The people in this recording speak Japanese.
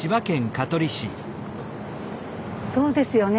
そうですよね